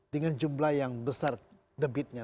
dengan jumlah yang besar debitnya